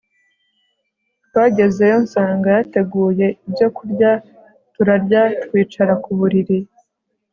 twagezeyo nsanga yateguye ibyo kurya turarya twicara kuburiri